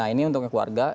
nah ini untuk keluarga